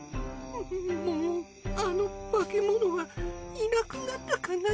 もうあの化け物はいなくなったかな？